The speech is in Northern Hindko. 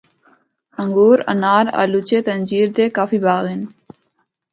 انگور، انار، آلوچے تے انجیر دے کافی باغ ہن۔